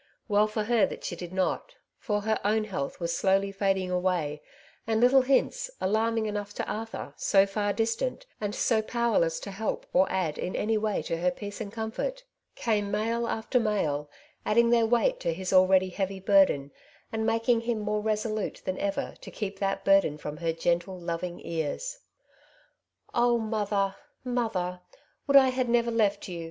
Well for her that she did not, for her own he>ttUh w^^a »)v^Yly fading away, and little hints — lUai'uiiug ^nvn)g)4 to Arthur, so far distant, and so poworlt)»a to ]w\\\ kw add in any way to her peace aud oinnfi^rt — uwuiti mail after mail, adding their weight ti) Ilia w lrmuly heavy burden, and making him more veHolute tluMi ever to keep that harden from her gentle, luviiig ears. *'0h, mother I mother I Would I had never left you